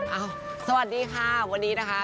สวัสดีค่ะวันนี้นะคะ